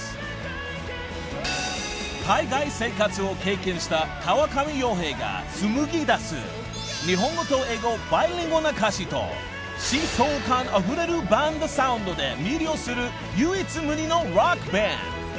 ［海外生活を経験した川上洋平が紡ぎだす日本語と英語バイリンガルな歌詞と疾走感あふれるバンドサウンドで魅了する唯一無二のロックバンド］